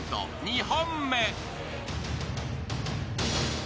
２本目］